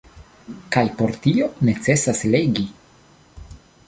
Kaj por tio necesas legi.